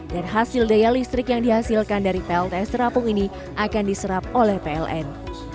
dan hasil daya listrik yang dihasilkan dari plts terapung ini akan diserap oleh pln